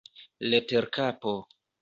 Leterkapo.